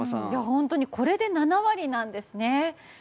本当にこれで７割なんですね。